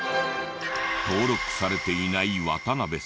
登録されていない渡邉さん。